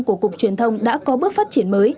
của cục truyền thông đã có bước phát triển mới